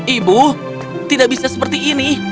ibu tidak bisa seperti ini